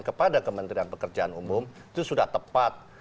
kepada kementerian pekerjaan umum itu sudah tepat